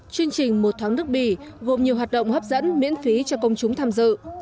chương trình một tháng nước bỉ gồm nhiều hoạt động hấp dẫn miễn phí cho công chúng tham dự